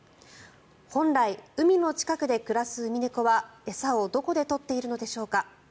本来、海の近くで暮らすウミネコは餌をどこで取っているのでしょうか。